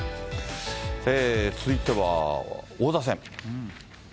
続いては、王座戦。